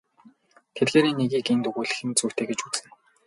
Тэдгээрийн нэгийг энд өгүүлэх нь зүйтэй гэж үзнэ.